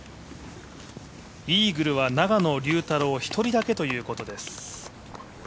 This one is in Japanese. イーグルは永野竜太郎１人だけということです。